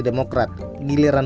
dpr ri puan maharani